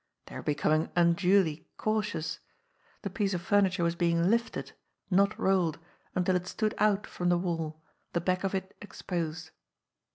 They were becoming unduly cautious ! The piece of furni ture was being lifted, not rolled, until it stood out from the wall, the back of it exposed.